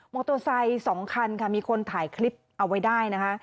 โตไซค์๒คันค่ะมีคนถ่ายคลิปเอาไว้ได้นะคะ